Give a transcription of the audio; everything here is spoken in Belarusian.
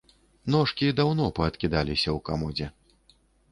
Ножкі даўно паадкідаліся ў камодзе.